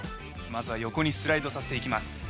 まずは横にスライドさせていきます。